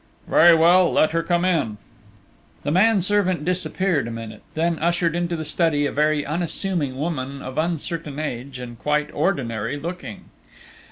"Very well, let her come in!" The manservant disappeared a minute, then ushered into the study a very unassuming woman of uncertain age and quite ordinary looking.